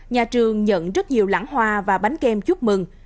nhà trường nhận rất nhiều lãng hoa và bánh kem chúc mừng